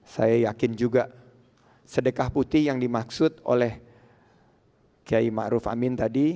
saya yakin juga sedekah putih yang dimaksud oleh kiai ma'ruf amin tadi